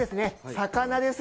魚です！